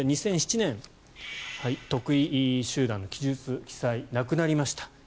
２００７年、特異集団の記述、記載なくなりました。